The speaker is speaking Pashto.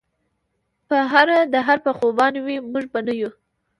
پۀ هر دهر به خوبان وي مونږ به نۀ يو